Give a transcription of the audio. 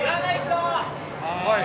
はい。